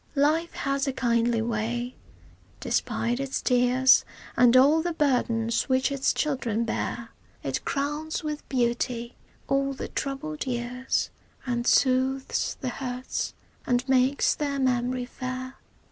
Life has a kindly way, despite its tears And all the burdens which its children bear; It crowns with beauty all the troubled years And soothes the hurts and makes their memory fair.